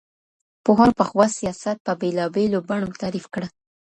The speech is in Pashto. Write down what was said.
پوهانو پخوا سياست په بېلابېلو بڼو تعريف کړ.